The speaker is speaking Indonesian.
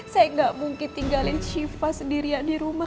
saya gak mungkin tinggalin siva sendirian di rumah